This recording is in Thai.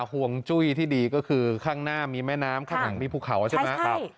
ห่วงจุ้ยที่ดีก็คือข้างหน้ามีแม่น้ำข้างหลังมีภูเขาใช่ไหม